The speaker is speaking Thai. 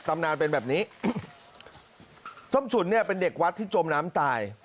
ตำนานเป็นแบบนี้ส้มฉุนเนี่ยเป็นเด็กวัดที่จมน้ำตาย